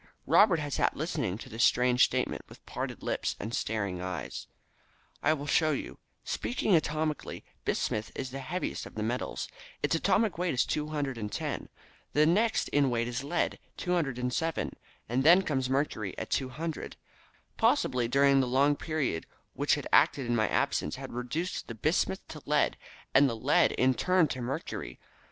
Robert had sat listening to this strange statement with parted lips and staring eyes. "I will show you. Speaking atomically, bismuth is the heaviest of the metals. Its atomic weight is 210. The next in weight is lead, 207, and then comes mercury at 200. Possibly the long period during which the current had acted in my absence had reduced the bismuth to lead and the lead in turn to mercury.